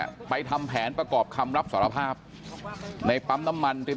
ไปทำแผนประกอบคำรับสารภาพในปั๊มน้ำมันริม